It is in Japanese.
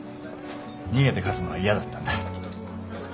逃げて勝つのは嫌だったんだ。